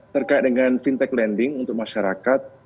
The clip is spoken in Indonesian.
terkait dengan fintech lending untuk masyarakat